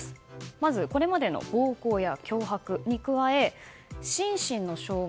まず、これまでの暴行や脅迫に加え、心身の障害。